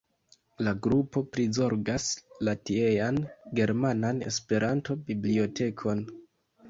La grupo prizorgas la tiean Germanan Esperanto-Bibliotekon.